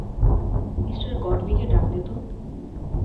Mr গডবিকে ডাক দে তো।